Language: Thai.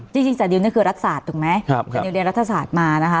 จริงจาดิวนี่คือรัฐศาสตร์ถูกไหมจาดิวเรียนรัฐศาสตร์มานะคะ